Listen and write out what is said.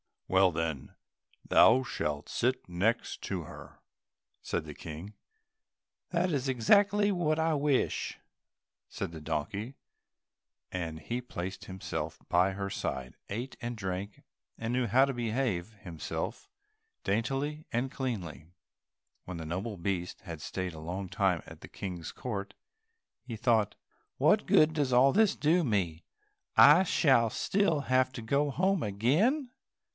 "Well, then, thou shalt sit next her too," said the King. "That is exactly what I wish," said the donkey, and he placed himself by her side, ate and drank, and knew how to behave himself daintily and cleanly. When the noble beast had stayed a long time at the King's court, he thought, "What good does all this do me, I shall still have to go home again?"